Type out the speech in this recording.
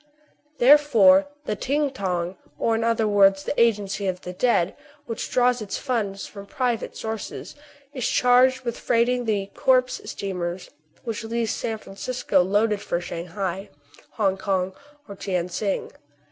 Therefore the Ting Tong — or, in other words, the Agency of the Dead, which draws its funds from private sources — is charged with freighting KIN FO AND THE PHILOSOPHER. 19 the " corpse steamers," which leave San Francisco fully loaded for Shang hai, Hong Kong, or Tien Sing.